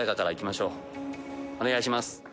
お願いします。